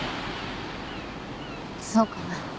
そうかな？